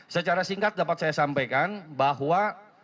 secara singkat dapat saya sampaikan bahwa